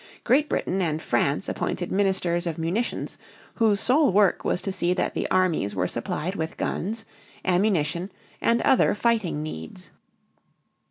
Great Britain and France appointed ministers of munitions whose sole work was to see that the armies were supplied with guns, ammunition, and other fighting needs.